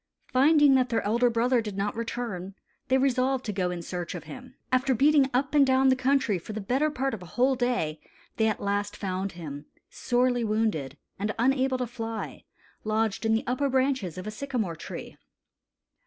Finding that their elder brother did not return, they resolved to go in search of him. After beating up and down the country for the better part of a whole day, they last found him, sorely wounded and unable to fly, lodged in the upper branches of a sycamore tree.